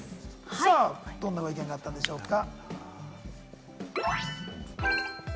どんなご意見があったんでしょうか？